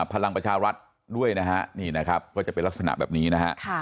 พลังประชารัฐด้วยนะฮะนี่นะครับก็จะเป็นลักษณะแบบนี้นะฮะ